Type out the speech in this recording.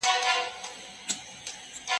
لو څه زور غواړي؟ پرې که، واچوه.